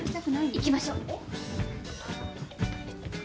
行きましょ！